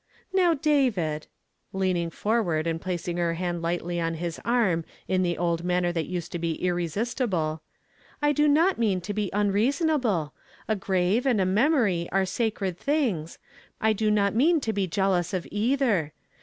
"Now David," leaning forward, and placing her hand hghtly on his arm in the old manner that used to be irresistible, "I do not mean to be un reasonable A grave and a memory are sacred things ; I do not mean to be jealous of either.